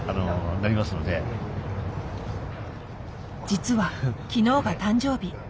実は昨日が誕生日。